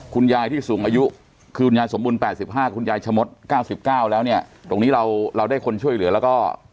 คุณยายที่สูงอายุคือคุณยายสมบูรณ๘๕คุณยายชะมด๙๙แล้วเนี่ยตรงนี้เราเราได้คนช่วยเหลือแล้วก็